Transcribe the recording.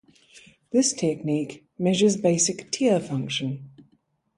This technique measures basic tear function.